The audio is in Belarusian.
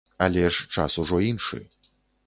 Але ж час ужо іншы.